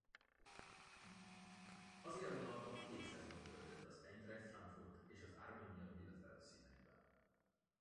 Az élvonalban két szezont töltött az Eintracht Frankfurt és az Arminia Bielefeld színeiben.